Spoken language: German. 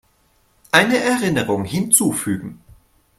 Eine Erinnerung hinzufügen.